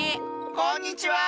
こんにちは！